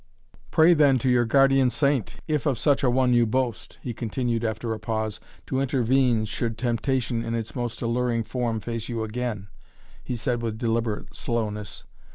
"Pray then to your guardian saint, if of such a one you boast," he continued after a pause, "to intervene, should temptation in its most alluring form face you again," he said with deliberate slowness.